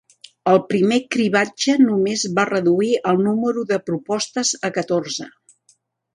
El primer cribratge només va reduir el número de propostes a catorze.